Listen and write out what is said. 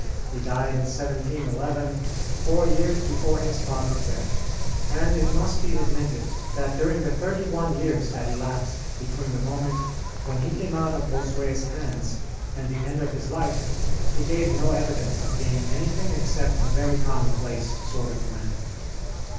He died in 1711, four years before his father's death: and it must be admitted that during the thirty one years that elapsed between the moment when he came out of Bossuet's hands and the end of his life, he gave no evidence of being anything except a very commonplace sort of a man.